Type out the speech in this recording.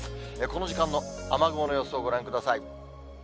この時間の雨雲の様子をご覧ください。